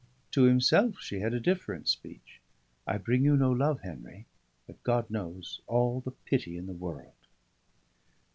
To himself she had a different speech: "I bring you no love, Henry; but God knows, all the pity in the world."